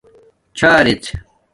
چھأݽژ